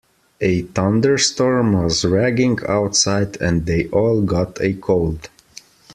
A thunderstorm was raging outside and they all got a cold.